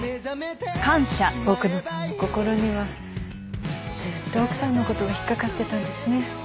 奥野さんの心にはずっと奥さんの事が引っかかってたんですね。